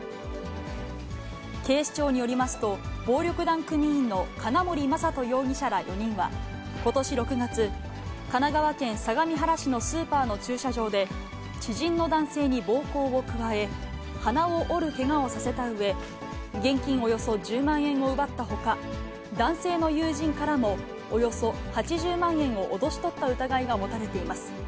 警視庁によりますと、暴力団組員の金森雅斗容疑者ら４人は、ことし６月、神奈川県相模原市のスーパーの駐車場で、知人の男性に暴行を加え、鼻を折るけがをさせたうえ、現金およそ１０万円を奪ったほか、男性の友人からもおよそ８０万円を脅し取った疑いが持たれています。